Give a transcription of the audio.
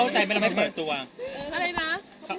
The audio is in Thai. จริงว่าก็เข้าใจไม่ได้แผนเปิดตัว